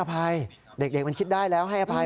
อภัยเด็กมันคิดได้แล้วให้อภัย